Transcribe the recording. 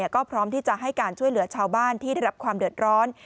ก็พร้อมที่จะให้การช่วยเหลือชาวบ้านที่ได้รับความเดือดร้อน